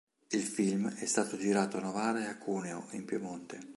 Il film è stato girato a Novara e a Cuneo, in Piemonte.